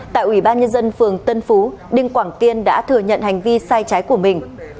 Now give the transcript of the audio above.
tại ủy ban nhân dân phường tân phú đinh quảng kiên đã thừa nhận hành vi sai trái của mình